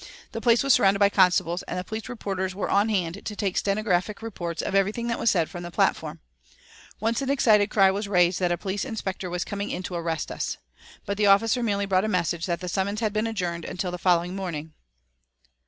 The place was surrounded by constables, and the police reporters were on hand to take stenographic reports of everything that was said from the platform. Once an excited cry was raised that a police inspector was coming in to arrest us. But the officer merely brought a message that the summons had been adjourned until the following morning.